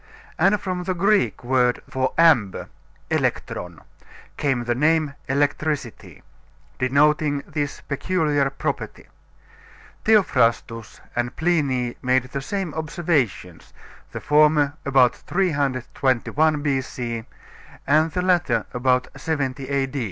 And from the Greek word for amber elektron came the name electricity, denoting this peculiar property. Theophrastus and Pliny made the same observations; the former about 321 B.C., and the latter about 70 A.